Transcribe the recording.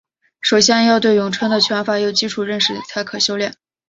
首先要对咏春的拳法有基础认识才可修练。